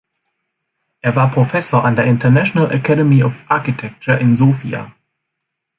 Er war Professor an der International Academy of Architecture in Sofia.